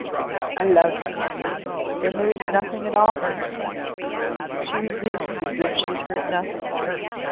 "I love him." "Then there is nothing at all for me." She resumed as if she had heard nothing.